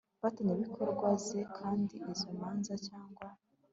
mfatanyabikorwa ze kandi izo manza cyangwa